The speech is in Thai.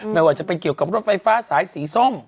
ไม่ว่าจะเป็นเกี่ยวกับรถไฟฟ้าสายสีส้ม